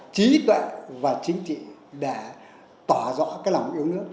trí tuệ và chính trị để tỏ rõ cái lòng yêu nước